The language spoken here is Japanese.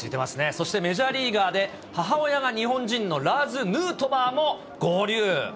そしてメジャーリーガーで、母親が日本人のラーズ・ヌートバーも合流。